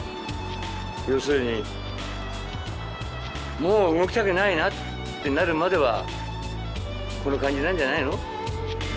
要するにもう動きたくないなってなるまではこの感じなんじゃないの？